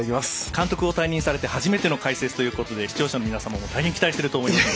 監督を退任されて初めての解説ということで視聴者の皆様も大変期待していると思います。